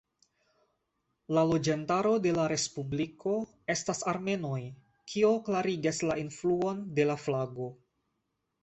La loĝantaro de la respubliko estas armenoj kio klarigas la influon de la flago.